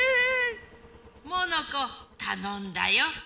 モノコたのんだよ。